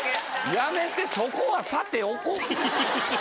やめてそこはさて置こう。